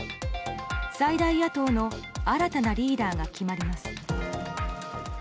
最大野党の新たなリーダーが決まります。